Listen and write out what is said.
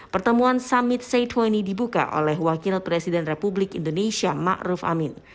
pertemuan summit c dua puluh dibuka oleh wakil presiden republik indonesia ma'ruf amin